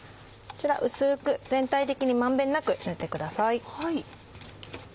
こちら薄く全体的に満遍なく塗ってください。